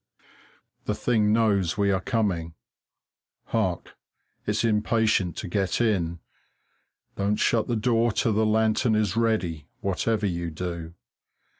The thing knows we are coming hark! It's impatient to get in. Don't shut the door till the lantern is ready, whatever you do.